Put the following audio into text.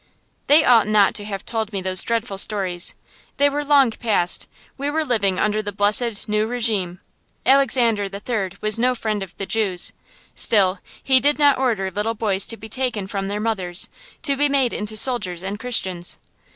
They ought not to have told me those dreadful stories. They were long past; we were living under the blessed "New Régime." Alexander III was no friend of the Jews; still he did not order little boys to be taken from their mothers, to be made into soldiers and Christians.